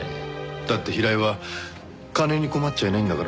だって平井は金に困っちゃいないんだから。